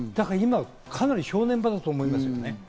かなり今、正念場だと思いますね。